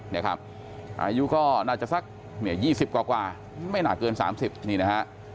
อายุก็น่าจะสัก๒๐กว่าไม่หนักเกิน๓๐นี่นะฮะ